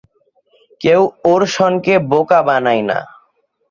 কেউ ওরসনকে বোকা বানায় না!